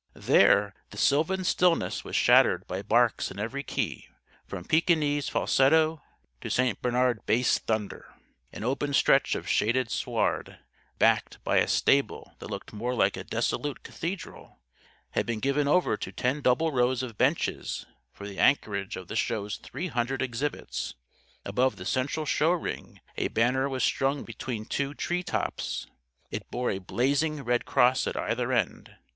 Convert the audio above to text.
There, the sylvan stillness was shattered by barks in every key, from Pekingese falsetto to St. Bernard bass thunder. An open stretch of shaded sward backed by a stable that looked more like a dissolute cathedral had been given over to ten double rows of "benches," for the anchorage of the Show's three hundred exhibits. Above the central show ring a banner was strung between two tree tops. It bore a blazing red cross at either end.